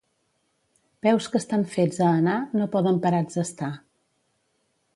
Peus que estan fets a anar, no poden parats estar.